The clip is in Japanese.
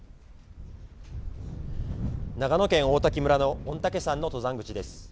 長野県王滝村の御嶽山の登山口です。